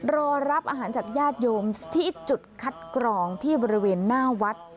รอรับอาหารจากญาติโยมที่จุดคัดกรองที่บริเวณหน้าวัด